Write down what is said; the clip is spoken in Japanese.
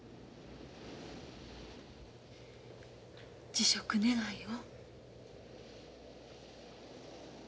辞職願を？